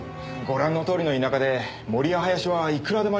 ご覧のとおりの田舎で森や林はいくらでもありますからね。